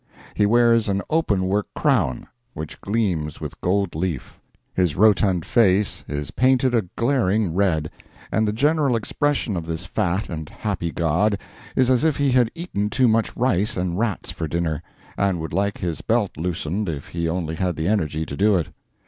He wears an open work crown, which gleams with gold leaf. His rotund face is painted a glaring red, and the general expression of this fat and happy god is as if he had eaten too much rice and rats for dinner, and would like his belt loosened if he only had the energy to do it.